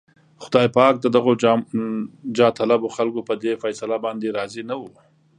خدای پاک د دغو جاهطلبو خلکو په دې فيصله باندې راضي نه و.